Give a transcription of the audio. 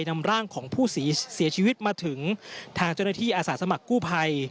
นำร่างของผู้เสียชีวิตมาถึงทางเจ้าหน้าที่อาสาสมัครกู้ภัย